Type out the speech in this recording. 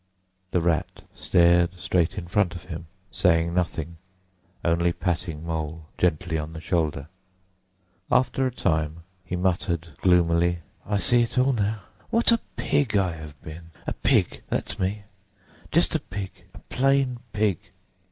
The Rat stared straight in front of him, saying nothing, only patting Mole gently on the shoulder. After a time he muttered gloomily, "I see it all now! What a pig I have been! A pig—that's me! Just a pig—a plain pig!"